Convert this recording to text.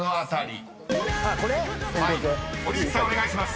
［堀内さんお願いします］